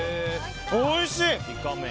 おいしい！